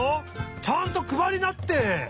ちゃんとくばりなって！